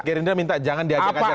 gerindra minta jangan diajak ajak